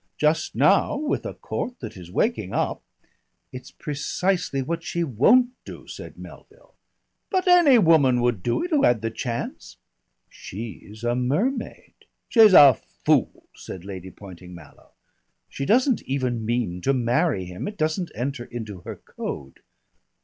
Just now, with a Court that is waking up " "It's precisely what she won't do," said Melville. "But any woman would do it who had the chance." "She's a mermaid." "She's a fool," said Lady Poynting Mallow. "She doesn't even mean to marry him; it doesn't enter into her code."